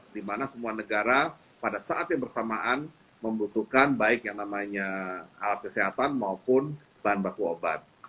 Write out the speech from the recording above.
di mana semua negara pada saat yang bersamaan membutuhkan baik yang namanya alat kesehatan maupun bahan baku obat